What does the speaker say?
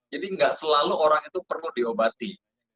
jadi tidak selalu orang itu perlu diobati